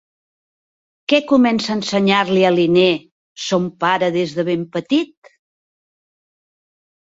Què comença a ensenyar-li a Linné son pare des de ben petit?